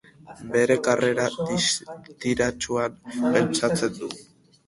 Bere karrera distiratsuan pentsatzen du.